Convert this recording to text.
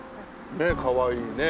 ねえかわいいね。